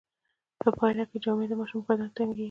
په پایله کې جامې د ماشوم په بدن تنګیږي.